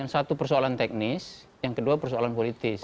satu persoalan teknis yang kedua persoalan politis